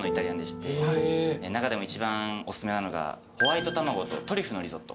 中でも一番おすすめなのがホワイト卵とトリュフのリゾット。